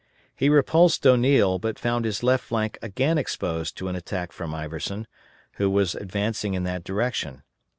He repulsed O'Neill, but found his left flank again exposed to an attack from Iverson, who was advancing in that direction.